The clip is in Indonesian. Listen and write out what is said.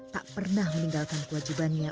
tak pernah meninggalkan kewajibannya